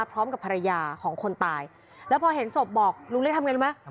พร้อมกับภรรยาของคนตายแล้วพอเห็นศพบอกลุงเล็กทำไงรู้ไหม